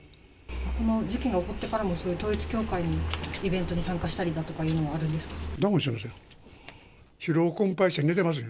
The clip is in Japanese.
事件が起こってからも、そういう統一教会のイベントに参加したりだとかいうのはあるんでダウンしてます。